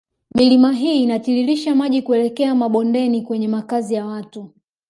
Milima hii inatiririsha maji kuelekea mabondeni kwenye makazi ya watu